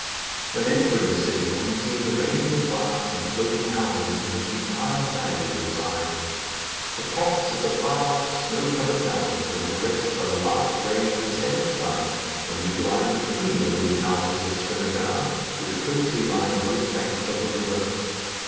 When entering the city one sees a range of barks and floating houses in which entire families reside. The tops of the far off, snow covered mountains were caressed by the last rays of the setting sun, when we glided between the wooden houses of Srinagar, which closely line both banks of the river.